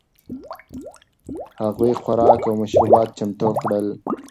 هغوی خوراک او مشروبات چمتو کړل.